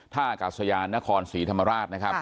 ท่ากาศยานนครศรีธรรมราชนะครับ